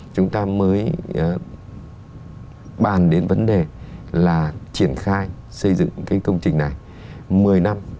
chúng ta mới bàn đến vấn đề là triển khai xây dựng cái công trình này một mươi năm